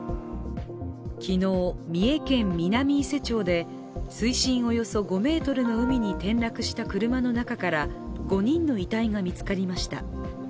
昨日、三重県南伊勢町で水深およそ５ｍの海に転落した車の中から５人の遺体が見つかりました。